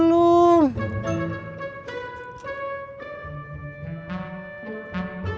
saya tidak sengaja